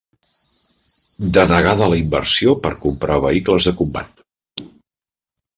Denegada la inversió per comprar vehicles de combat